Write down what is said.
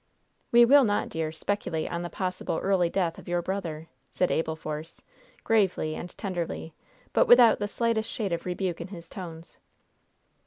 "We will not, dear, speculate on the possible early death of your brother," said Abel Force, gravely and tenderly, but without the slightest shade of rebuke in his tones.